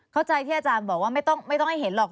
เข้าใจที่อาจารย์บอกว่าไม่ต้องให้เห็นหรอก